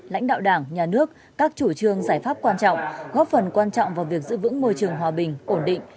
lãnh đạo đảng nhà nước các chủ trương giải pháp quan trọng góp phần quan trọng vào việc giữ vững môi trường hòa bình ổn định